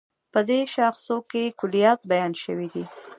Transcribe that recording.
په دې شاخصو کې کُليات بیان شوي دي.